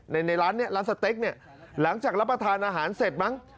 ในร้านสเต๊กหลังจากรับประทานอาหารเสร็จมั้ง